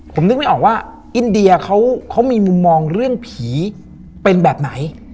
ผมนึกไม่ออกว่าอินเดียเขามีมุมมองเรื่องผีเป็นแบบไหน